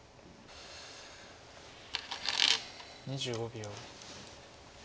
２５秒。